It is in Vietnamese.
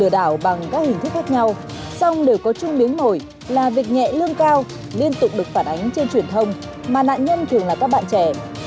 đảo bằng các hình thức khác nhau song đều có chung miếng nổi là việc nhẹ lương cao liên tục được phản ánh trên truyền thông mà nạn nhân thường là các bạn trẻ